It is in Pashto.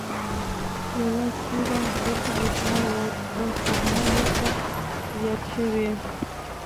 یوه څېره ورته اشنا وه او صحنې ورته یادې شوې